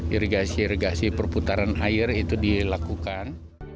irigasi irigasi perputaran air itu dilakukan